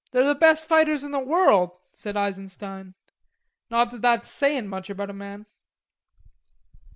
"They're the best fighters in the world," said Eisenstein, "not that that's sayin' much about a man."